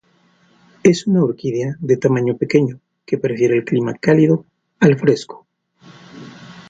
Es una orquídea de tamaño pequeño que prefiere el clima cálido al fresco.